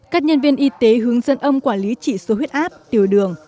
các nhân viên y tế hướng dẫn ông quản lý chỉ số huyết áp tiểu đường